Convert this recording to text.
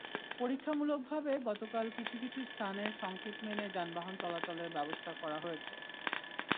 পরীক্ষামূলকভাবে গতকাল কিছু কিছু স্থানে সংকেত মেনে যানবাহন চলাচলের ব্যবস্থা করা হয়েছে।